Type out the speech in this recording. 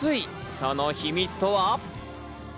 その秘密とは？